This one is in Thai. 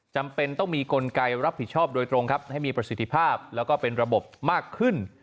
จำเป็นต้องมีกลไกรับผิดชอบโดยตรงครับให้มีประสิทธิภาพแล้วก็เป็นระบบมากขึ้น